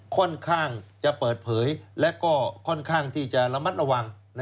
ค่อนข้างจะเปิดเผยและก็ค่อนข้างที่จะระมัดระวัง